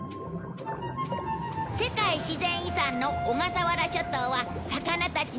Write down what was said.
世界自然遺産の小笠原諸島は魚たちの楽園だよ。